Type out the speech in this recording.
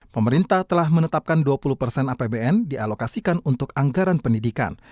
pemerintah telah menetapkan dua puluh persen apbn dialokasikan untuk anggaran pendidikan